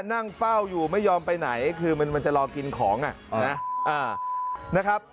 นั่งเฝ้าอยู่ไม่ยอมไปไหนคือมันจะรอกินของนะครับ